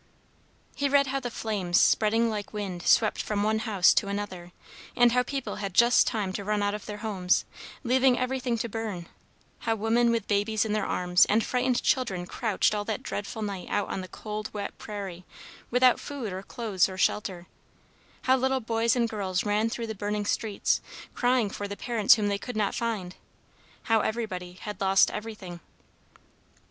He read how the flames, spreading like wind, swept from one house to another, and how people had just time to run out of their homes, leaving everything to burn; how women, with babies in their arms, and frightened children crouched all that dreadful night out on the cold, wet prairie, without food or clothes or shelter; how little boys and girls ran through the burning streets, crying for the parents whom they could not find; how everybody had lost everything.